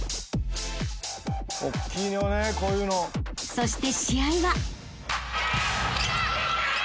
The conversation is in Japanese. ［そして試合は］